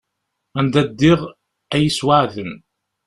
Anda ddiɣ ad yi-yesweεden.